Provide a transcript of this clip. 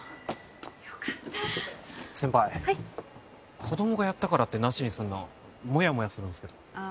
よかった先輩子供がやったからってなしにすんのモヤモヤするんですけどあ